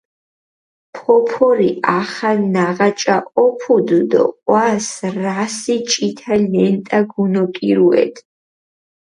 ფოფორი ახალ ნაღაჭა ჸოფუდჷ დო ჸვას რასი ჭითა ლენტა გუნოკირუედჷ.